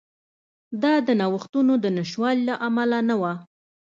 دا د نوښتونو د نشتوالي له امله نه وه.